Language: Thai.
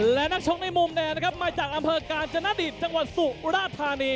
และนักชกในมุมแดงนะครับมาจากอำเภอกาญจนดิตจังหวัดสุราธานี